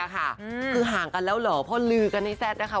คือห่างกันแล้วเหรอเพราะลือกันให้แซ่ดนะคะ